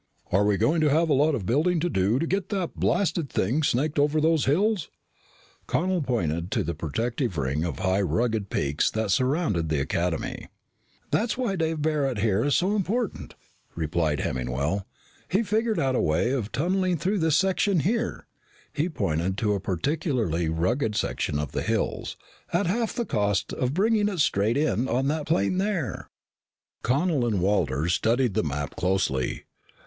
Are we going to have a lot of building to do to get that blasted thing snaked over those hills?" Connel pointed to the protective ring of high rugged peaks that surrounded the Academy. "That's why Dave Barret here is so important," replied Hemmingwell. "He figured out a way of tunneling through this section here" he pointed to a particularly rugged section of the hills "at half the cost of bringing it straight in on that plain there." Connel and Walters studied the map closely.